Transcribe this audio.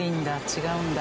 違うんだ。